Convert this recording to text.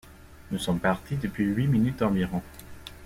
Nous sommes partis depuis huit minutes environ.